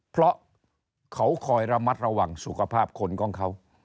เพราะเขาคอยระมัดระวังสุขภาพคนของเขา